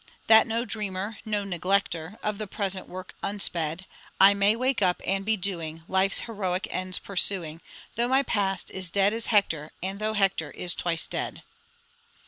'That no dreamer, no neglecter Of the present work unsped, I may wake up and be doing, Life's heroic ends pursuing, Though my past is dead as Hector, And though Hector is twice dead.'"